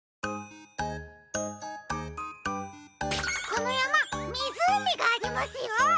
このやまみずうみがありますよ！